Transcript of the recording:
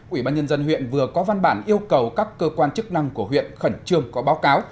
ủy ban nhân dân huyện vừa có văn bản yêu cầu các cơ quan chức năng của huyện khẩn trương có báo cáo